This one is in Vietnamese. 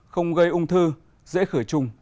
không gây ung thư dễ khởi trùng